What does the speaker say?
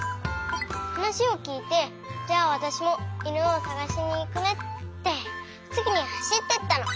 はなしをきいてじゃあわたしもいぬをさがしにいくねってすぐにはしっていったの。